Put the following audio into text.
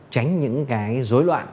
tránh những dối loạn